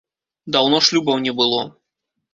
Даўно шлюбаў не было.